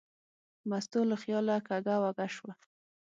مستو له خیاله کږه وږه شوه.